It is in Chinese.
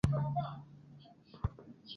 大小从数英寸到数公尺都有。